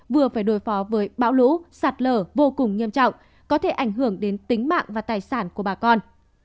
vừa phải đối phó với bão lũ sạt lở vô cùng nghiêm trọng có thể ảnh hưởng đến tính mạng và tài sản của bà con